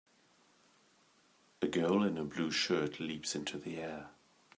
A girl in a blue shirt leaps into the air.